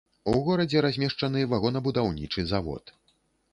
У горадзе размешчаны вагонабудаўнічы завод.